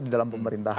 di dalam pemerintahan